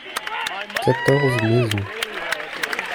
Quatorze maisons.